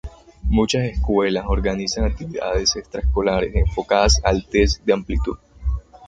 Muchas escuelas organizan actividades extraescolares enfocadas al Test de Aptitud.